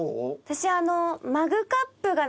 私あの。